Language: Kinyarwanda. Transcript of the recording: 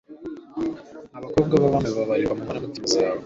Abakobwa b’abami babarirwa mu nkoramutima zawe